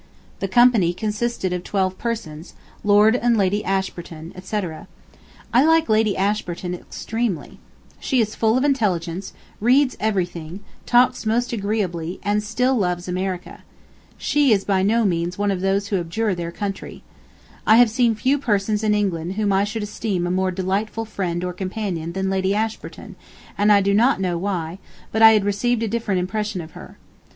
The company consisted of twelve persons, Lord and Lady Ashburton, etc. I like Lady Ashburton extremely. She is full of intelligence, reads everything, talks most agreeably, and still loves America. She is by no means one of those who abjure their country. I have seen few persons in England whom I should esteem a more delightful friend or companion than Lady Ashburton, and I do not know why, but I had received a different impression of her.